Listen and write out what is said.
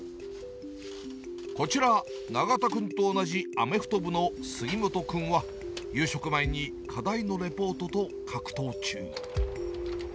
こちら、永田君と同じアメフト部の杉本君は、夕食前に課題のレポートと格闘中。